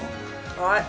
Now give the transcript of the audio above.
はい。